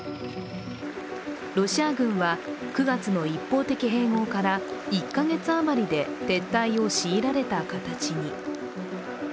ロシア軍は９月の一方的な併合から１か月あまりで撤退を強いられた形に。